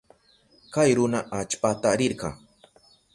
Kay runa allpata rirka.